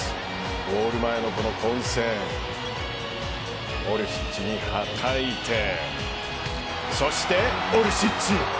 ゴール前の混戦からオルシッチにはたいてそしてオルシッチ。